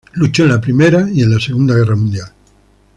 Luchó en la Primera y en la Segunda Guerra Mundial.